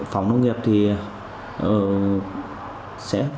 phòng nông nghiệp thì sẽ